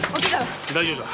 大丈夫だ。